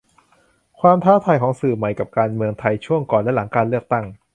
ความท้าทายของสื่อใหม่กับการเมืองไทยช่วงก่อนและหลังการเลือกตั้ง